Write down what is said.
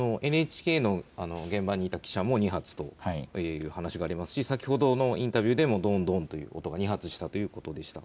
ＮＨＫの現場にいた記者も２発という話がありますし先ほどのインタビューでもどんどんという音が２発したということでした。